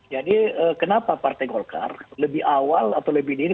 jadi kenapa partai golkar lebih awal atau lebih niri